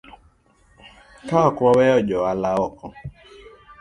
Ka ok waweyo joohala oko